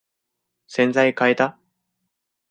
洗剤かえた？